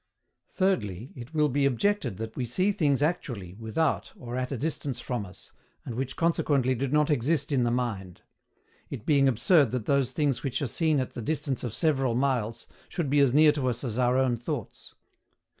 Thirdly, it will be objected that we see things actually without or at distance from us, and which consequently do not exist in the mind; it being absurd that those things which are seen at the distance of several miles should be as near to us as our own thoughts.